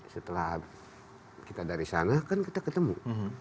setelah kita dari sana kan kita ketemu